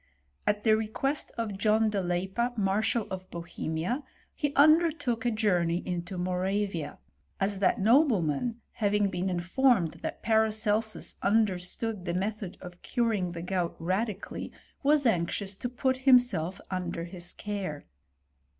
At the request of John de Leippa, Marshal of Bohemia, he undertook a journey into Moravia ; as that nobleman, having been informed thM Paracelsus understood the method of curing the gout radically, was anxious to put himself under his ei&re.